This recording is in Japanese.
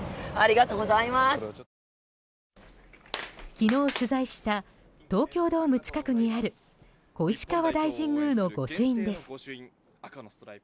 昨日取材した東京ドーム近くにある小石川大神宮の御朱印です。